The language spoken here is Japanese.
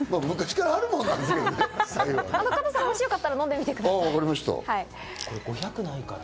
加藤さん、もしよかったら飲んでみてください。